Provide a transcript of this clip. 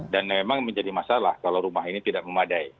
dan memang menjadi masalah kalau rumah ini tidak memadai